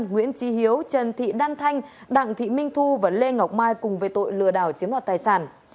nguyễn trí hiếu trần thị đan thanh đặng thị minh thu và lê ngọc mai cùng với tội lừa đảo chiếm đoạt tài sản